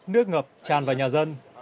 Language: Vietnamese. nước ngập tràn vào nhà dân